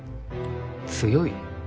強い？